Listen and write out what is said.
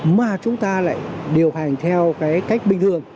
mà chúng ta lại điều hành theo cái cách bình thường